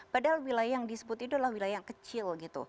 padahal wilayah yang disebut itu adalah wilayah yang kecil gitu